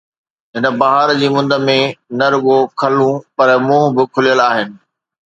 هن بهار جي مند ۾، نه رڳو کلون، پر منهن به کليل آهن.